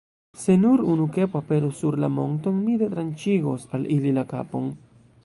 Se nur unu kepo aperos sur la monton, mi detranĉigos al ili la kapon.